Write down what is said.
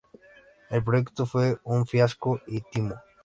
El proyecto fue un fiasco y timo.